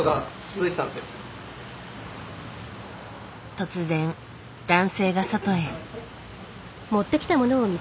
突然男性が外へ。